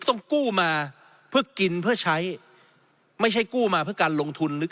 ต้องกู้มาเพื่อกินเพื่อใช้ไม่ใช่กู้มาเพื่อการลงทุนหรือ